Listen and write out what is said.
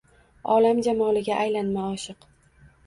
Olam jamoliga aylama oshiq